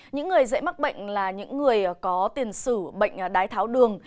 những người dễ mắc bệnh là những người có tiền sử bệnh đái tháo đường